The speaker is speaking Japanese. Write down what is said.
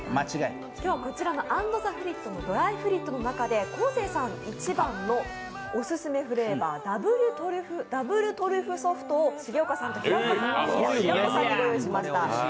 今日はこちらのＡＮＤＴＨＥＦＲＩＥＴのドライフリットの中で昴生さん一番のオススメフレーバー、ダブルトリュフソルトを重岡さんと平子さんにご用意しました。